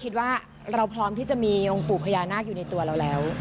คิดว่าเราพร้อมที่จะมีองค์ปู่พญานาคอยู่ในตัวเราแล้ว